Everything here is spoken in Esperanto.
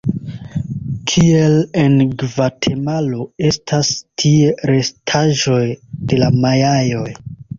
Kiel en Gvatemalo estas tie restaĵoj de la Majaoj.